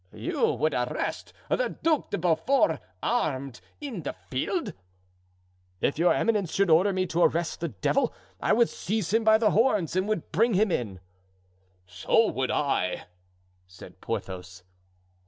"You would arrest the Duc de Beaufort, armed, in the field?" "If your eminence should order me to arrest the devil, I would seize him by the horns and would bring him in." "So would I," said Porthos.